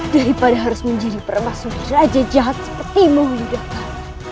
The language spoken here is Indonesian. daripada harus menjadi permasudir raja jahat seperti maulidatkan